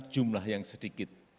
jumlah yang sedikit